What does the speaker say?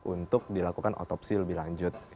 untuk dilakukan otopsi lebih lanjut